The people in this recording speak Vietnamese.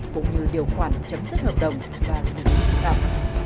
cũng như điều khoản chấm dứt hợp đồng và sự tham khảo